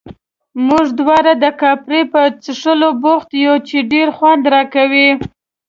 موږ دواړه د کاپري په څښلو بوخت یو، چې ډېر خوند راکوي.